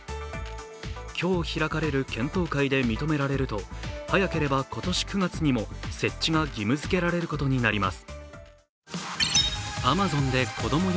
今日開かれる検討会で認められると、早ければ今年９月にも設置が義務づけられることになります。